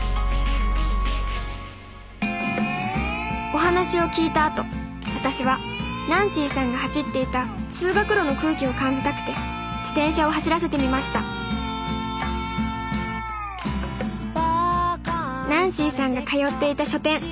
お話を聞いたあと私はナンシーさんが走っていた通学路の空気を感じたくて自転車を走らせてみましたナンシーさんが通っていた書店。